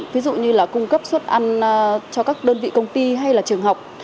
ví dụ như là cung cấp suất ăn cho các đơn vị công ty hay là trường học